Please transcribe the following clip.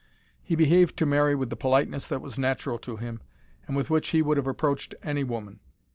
He behaved to Mary with the politeness that was natural to him, and with which he would have approached any woman.